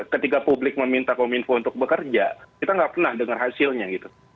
ketika publik meminta kominfo untuk bekerja kita nggak pernah dengar hasilnya gitu